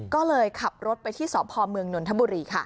ก็เลยขับรถไปที่สรภพรเมืองนวลธบุรี